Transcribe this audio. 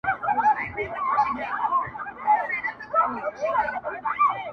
هر یوه ته مي جلا کړی وصیت دی!